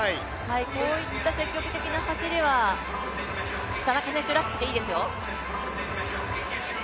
こういった積極的な走りは田中選手らしくていいですよ。